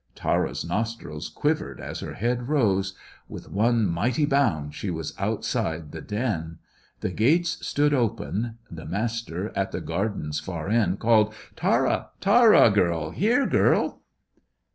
Tara's nostrils quivered as her head rose. With one mighty bound she was outside the den. The gates stood open. The Master, at the garden's far end, called "Tara! Tara, girl! Here, girl!"